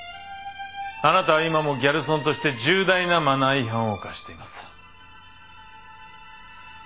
あなたは今もギャルソンとして重大なマナー違反を犯しています。